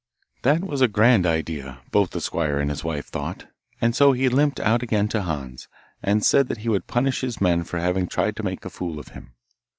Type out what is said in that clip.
That was a grand idea, both the squire and his wife thought, and so he limped out again to Hans, and said that he would punish his men for having tried to make a fool of him.